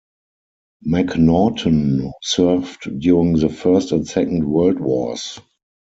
McNaughton who served during the First and Second World Wars.